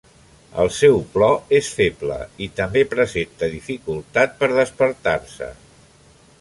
El seu plor és feble, i també presenta dificultat per despertar-se.